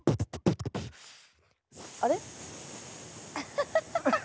あれ？